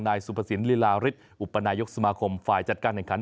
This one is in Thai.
นายสุภสินลีลาริสอุปนายกสมาคมฝ่ายจัดการแห่งขัน